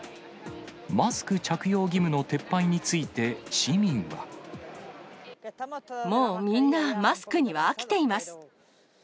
マスク着用義務の撤廃について、もうみんなマスクには飽きています。